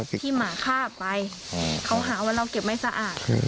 หมาฆ่าไปเขาหาว่าเราเก็บไม่สะอาด